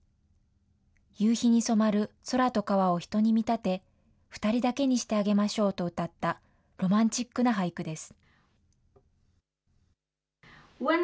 夕日に染まる空と川を人に見立て、２人だけにしてあげましょうとうたったロマンチックな俳句です。